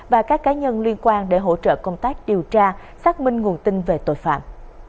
và các cá nhân liên quan để hỗ trợ công tác điều tra xác minh nguồn tin về tội phạm